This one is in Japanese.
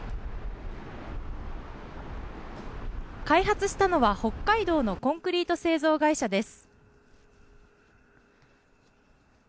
開発したのは北海道のコンクリート製造会社です。